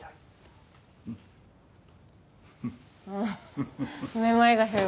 ああめまいがする。